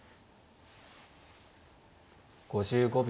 ５５秒。